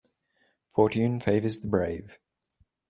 Fortune favours the brave.